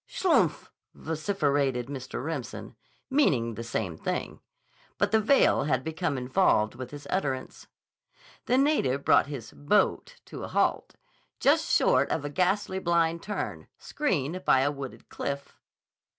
"Schlupff!" vociferated Mr. Remsen, meaning the same thing. But the veil had become involved with his utterance. The native brought his "boat" to a halt, just short of a ghastly blind turn, screened by a wooded cliff.